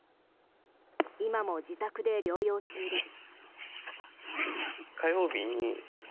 今も自宅で療養中です。